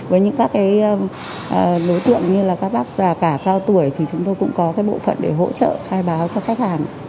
với những các đối tượng như là các bác già cả cao tuổi thì chúng tôi cũng có bộ phận để hỗ trợ khai báo cho khách hàng